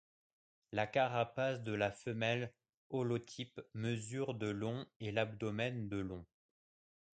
La carapace de la femelle holotype mesure de long et l'abdomen de long.